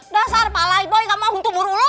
dasar palaiboy kamu mau cemburu lu